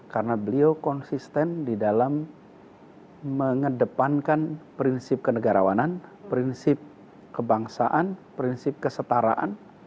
karena beliau konsisten di dalam mengedepankan prinsip kenegarawanan prinsip kebangsaan prinsip kesetaraan